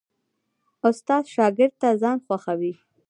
استاد شاګرد ته ځان خوښوي.